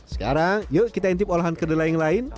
sekarang yuk kita intip olahan kedelai yang lain